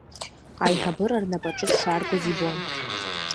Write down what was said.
Аиҳабыра рнапаҿы дшааргоз ибон.